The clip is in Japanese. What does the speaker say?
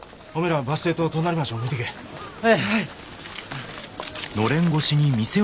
はい。